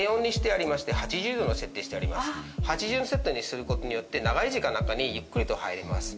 ８０度設定にすることによって長い時間中にゆっくりと入れます